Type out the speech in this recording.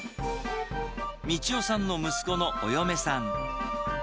道代さんの息子のお嫁さん。